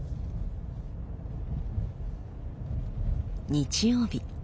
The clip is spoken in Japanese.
日曜日。